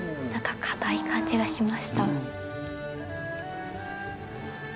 かたい感じがしました。